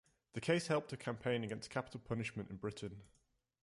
The case helped a campaign against capital punishment in Britain.